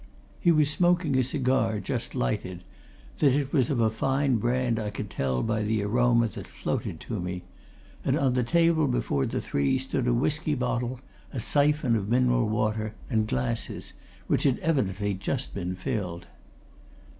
He was smoking a cigar, just lighted; that it was of a fine brand I could tell by the aroma that floated to me. And on the table before the three stood a whisky bottle, a syphon of mineral water, and glasses, which had evidently just been filled.